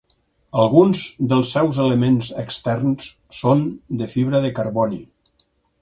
Alguns dels seus elements externs són de fibra de carboni.